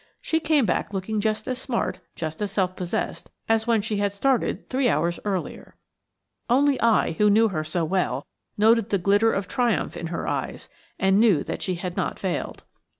She came back looking just as smart, just as self possessed, as when she had started three hours earlier. Only I, who knew her so well, noted the glitter of triumph in her eyes, and knew that she had not failed.